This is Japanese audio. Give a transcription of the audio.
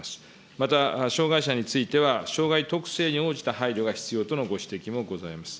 また、障害者については、障害特性に応じた配慮が必要とのご指摘もございます。